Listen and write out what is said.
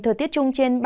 thừa tiết chung trên